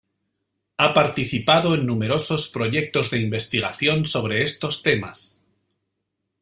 Ha participado en numerosos proyectos de investigación sobre estos temas.